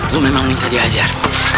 lu memang minta dia ajar